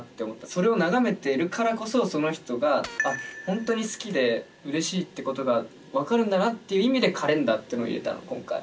それを眺めてるからこそその人が本当に好きで嬉しいってことが分かるんだなっていう意味で「カレンダー」ってのを入れたの今回。